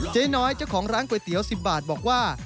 เจ๊น้อยเจ้าของร้านก๋วยเตี๋ยว๑๐บาทบอกว่า